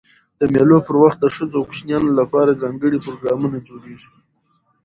د مېلو پر وخت د ښځو او کوچنيانو له پاره ځانګړي پروګرامونه جوړېږي.